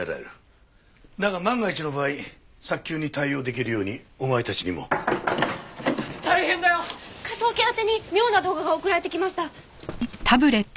だが万が一の場合早急に対応できるようにお前たちにも。大変だよ！科捜研宛てに妙な動画が送られてきました。